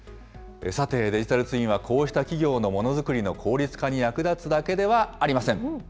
さて、デジタルツインは、こうした企業のものづくりの効率化に役立つだけではありません。